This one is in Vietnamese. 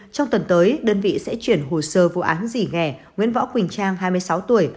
trong tuần tới đơn vị sẽ chuyển hồ sơ vụ án gì nghề nguyễn võ quỳnh trang hai mươi sáu tuổi